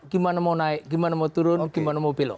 gimana mau naik gimana mau turun gimana mau belok